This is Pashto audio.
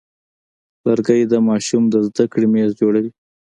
لرګی د ماشوم د زده کړې میز جوړوي.